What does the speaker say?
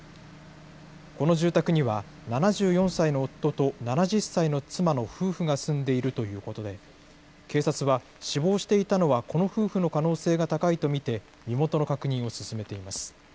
この住宅には７４歳の夫と７０歳の妻の夫婦が住んでいるということで、警察は死亡していたのは、この夫婦の可能性が高いと見て、身元の確認を進めています。